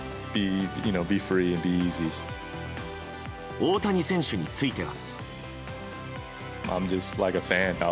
大谷選手については。